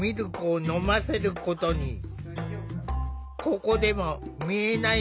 ここでも見えない